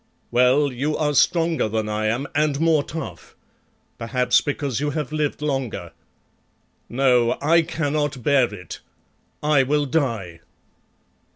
Well, you are stronger than I am, and more tough; perhaps because you have lived longer. No, I cannot bear it. I will die."